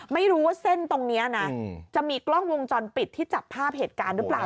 ไม่รู้ว่าเส้นตรงนี้นะจะมีกล้องวงจรปิดที่จับภาพเหตุการณ์หรือเปล่า